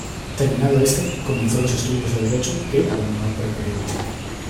Terminado este, comenzó los estudios de Derecho, que abandonó por el Periodismo.